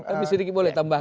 kamu sedikit boleh tambahkan